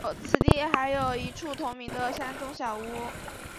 此地还有一处同名的山中小屋。